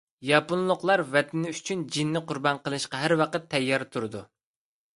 ياپونلۇقلار ۋەتىنى ئۈچۈن جېنىنى قۇربان قىلىشقا ھەر ۋاقىت تەييار تۇرىدۇ.